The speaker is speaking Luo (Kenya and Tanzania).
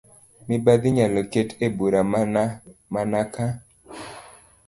Mibadhi inyalo ket e bur mana mana ka